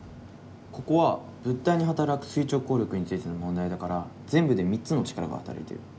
ここは物体に働く垂直抗力についての問題だから全部で３つの力が働いてる。